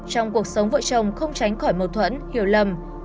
trong cuộc sống vợ chồng không tránh khỏi mâu thuẫn hiểu lầm